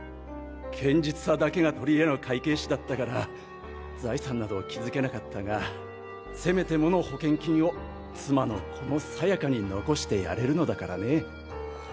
堅実さだけが取り柄の会計士だったから財産など築けなかったがせめてもの保険金を妻のこのさやかに残してやれるのだからね。